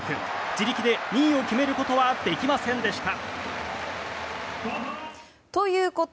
自力で２位を決めることはできませんでした。